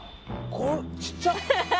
これちっちゃ。